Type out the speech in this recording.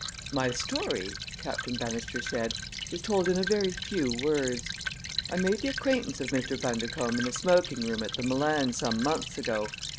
"My story," Captain Bannister said, "is told in a very few words. I made the acquaintance of Mr. Bundercombe in the smoking room at the Milan some months ago.